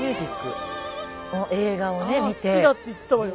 好きだって言ってたわよね。